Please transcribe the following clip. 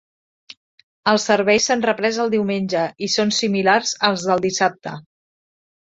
Els serveis s'han reprès el diumenge i són similars als del dissabte.